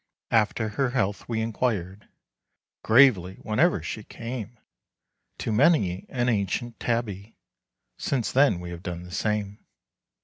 After her health we inquired Gravely whenever she came. To many an ancient Tabby Since then we have done the same.